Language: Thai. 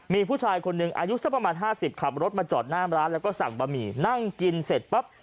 มีผู้ชายคนหนึ่งอายุสักประมาณ๕๐ขับรถมาจอดหน้ามร้านแล้วก็สั่งบะหมี่นั่งกินเสร็จปั๊บ